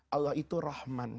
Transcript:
allah itu rahman